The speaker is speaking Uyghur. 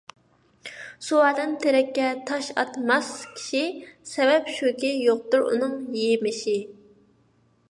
سۇۋادان تېرەككە تاش ئاتماس كىشى، سەۋەب شۇكى يوقتۇر ئۇنىڭ يېمىشى.